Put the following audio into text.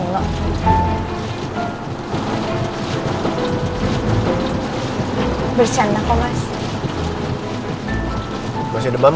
dia juga gak ngapain aku mas